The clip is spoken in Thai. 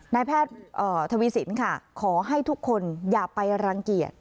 นายแพทย์ทวีสินค่ะขอให้ทุกคนอย่าไปรังเกียจ